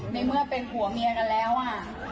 ในเมื่อเป็นผัวเมียกันแล้วอ่ะ